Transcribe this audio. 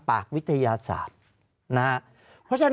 ภารกิจสรรค์ภารกิจสรรค์